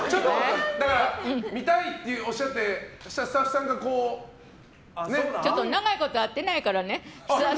だから見たいっておっしゃってそしたらスタッフさんがね。長いこと会ってないからね。